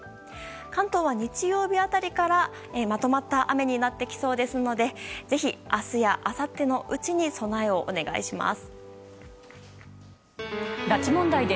関東は日曜日辺りからまとまった雨になりそうですのでぜひ、明日やあさってのうちに備えをお願いします。